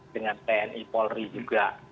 dengan pni polri juga